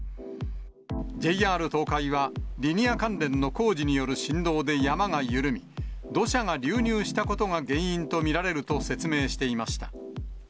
ＪＲ東海は、リニア関連の工事による振動で山が緩み、土砂が流入したことが原因と見られると説明していました。